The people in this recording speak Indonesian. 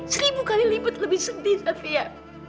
seribu kali lebih sedih satria